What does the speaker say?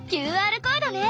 ＱＲコードね。